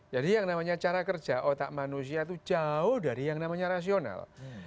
jadi yang namanya cara kerja otak manusia itu jauh dari yang namanya rasional